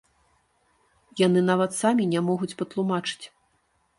Яны нават самі не могуць патлумачыць.